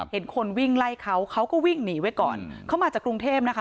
เห็นคนวิ่งไล่เขาเขาก็วิ่งหนีไว้ก่อนเขามาจากกรุงเทพนะคะ